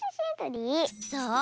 そう。